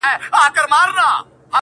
چي لیدلی یې مُلا وو په اوبو کي!!